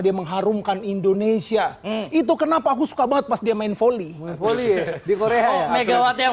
dia mengharumkan indonesia itu kenapa aku suka banget pas dia main volley volley di korea megawati yang